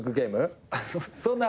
そんな。